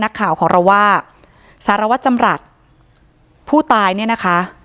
นักข่าวของเราว่าสารวัตรจำรัฐผู้ตายเนี่ยนะคะ